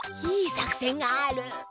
いい作せんがある！